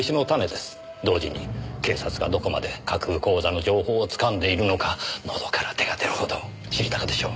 同時に警察がどこまで架空口座の情報をつかんでいるのかのどから手が出るほど知りたかったでしょう。